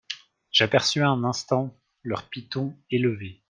J'aperçus un instant leurs pitons élevés.